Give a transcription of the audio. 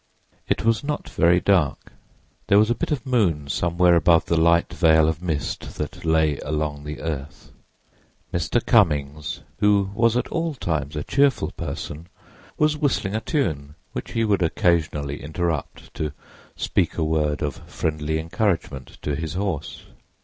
It was not very dark: there was a bit of moon somewhere above the light veil of mist that lay along the earth. Mr. Cummings, who was at all times a cheerful person, was whistling a tune, which he would occasionally interrupt to speak a word of friendly encouragement to his horse.